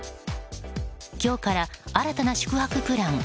今日から新たな宿泊プラン